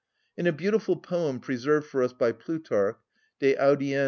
In a beautiful poem preserved for us by Plutarch (_De audiend.